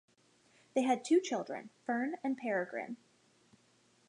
They had two children, Fern and Peregrine.